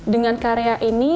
dengan karya ini